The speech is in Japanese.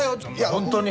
本当に。